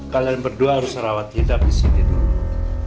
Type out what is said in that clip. kalian berdua harus rawat hidup disini dulu